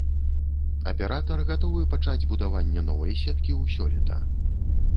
Аператар гатовы пачаць будаванне новай сеткі ў сёлета.